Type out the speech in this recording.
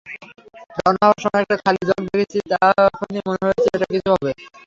রওনা হবার সময় একটা খালি জগ দেখেছি, তখনি মনে হয়েছে একটা কিছু হবে।